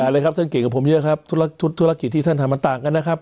เลยครับท่านเก่งกับผมเยอะครับธุรกิจที่ท่านทำมันต่างกันนะครับ